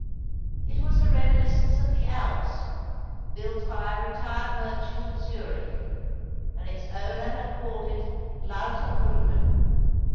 It was a reminiscence of the Alps, built by a retired merchant of Zurich, and its owner had called it Lauter Brunnen.